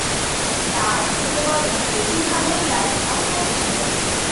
তাঁর শিল্পকর্মের বেশিরভাগই লাইন অঙ্কন ছিল।